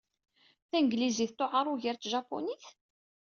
Tanglizit tewɛeṛ ugar tjapunit?